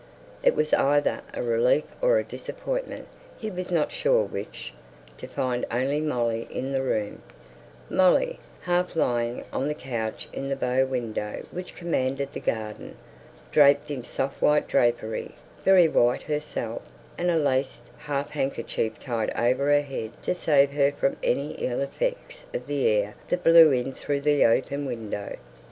It was either a relief or a disappointment, he was not sure which, to find only Molly in the room: Molly, half lying on the couch in the bow window which commanded the garden; draped in soft white drapery, very white herself, and a laced half handkerchief tied over her head to save her from any ill effects of the air that blew in through the open window.